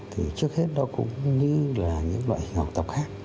thì trước hết nó cũng như là những loại hình học tập khác